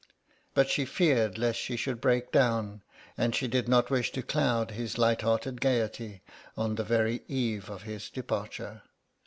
But she feared lest she should break down, and she did not wish to cloud his light hearted gaiety on the very eve of his departure.